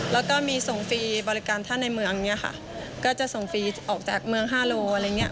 แล้วก็มีส่งฟรีบริการท่านในเมืองเนี่ยค่ะก็จะส่งฟรีออกจากเมือง๕โลอะไรอย่างเงี้